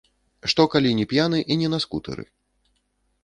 Што калі не п'яны і не на скутэры?